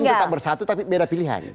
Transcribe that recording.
tetap bersatu tapi beda pilihan